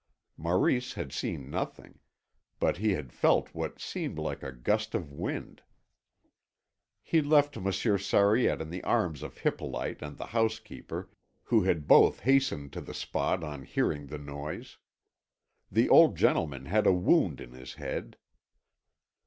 Maurice had seen nothing, but he had felt what seemed like a gust of wind. He left Monsieur Sariette in the arms of Hippolyte and the housekeeper, who had both hastened to the spot on hearing the noise. The old gentleman had a wound in his head.